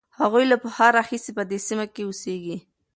هغوی له پخوا راهیسې په دې سیمه کې اوسېږي.